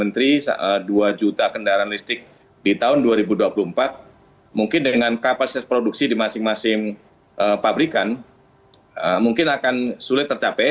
dan saya ingin sampaikan oleh beberapa menteri dua juta kendaraan listrik di tahun dua ribu dua puluh empat mungkin dengan kapasitas produksi di masing masing pabrikan mungkin akan sulit tercapai